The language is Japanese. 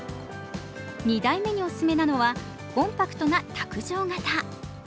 ２台目にオススメなのはコンパクトな卓上型。